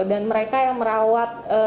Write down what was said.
dan mereka yang merawat